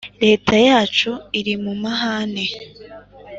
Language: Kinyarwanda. leta yacu iri mu mahane